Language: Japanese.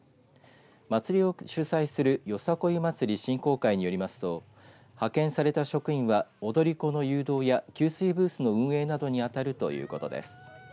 祭りを主催するよさこい祭振興会によりますと派遣された職員は踊り子の誘導や給水ブースの運営などに当たるということです。